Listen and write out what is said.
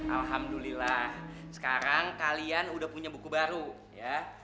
alhamdulillah sekarang kalian udah punya buku baru ya